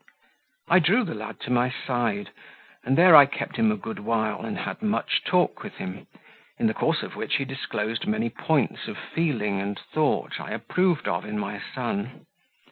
I drew the lad to my side, and there I kept him a good while, and had much talk with him, in the course of which he disclosed many points of feeling and thought I approved of in my son.